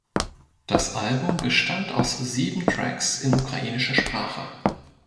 Das Album bestand aus sieben Tracks in ukrainischer Sprache.